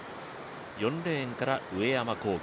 ４レーンから上山紘輝